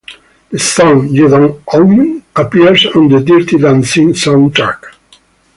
The song "You Don't Own Me" appears on the "Dirty Dancing" soundtrack.